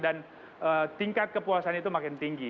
tingkat kepuasan itu makin tinggi